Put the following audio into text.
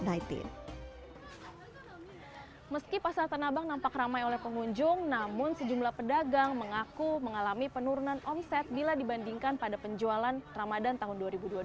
meski pasar tanah abang nampak ramai oleh pengunjung namun sejumlah pedagang mengaku mengalami penurunan omset bila dibandingkan pada penjualan ramadan tahun dua ribu dua puluh